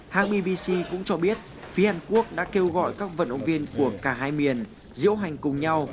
hãng bbc cũng cho biết phía hàn quốc đã kêu gọi các vận động viên của cả hai miền diễu hành cùng nhau